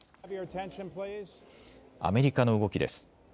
アメリカの動きです。